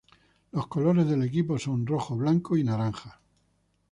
Los colores del equipo son el rojo, blanco y naranja.